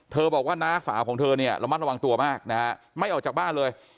บอกว่าน้าสาวของเธอเนี่ยระมัดระวังตัวมากนะฮะไม่ออกจากบ้านเลย